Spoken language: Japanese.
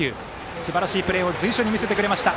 すばらしいプレーを随所に見せてくれました。